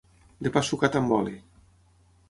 De pa sucat amb oli.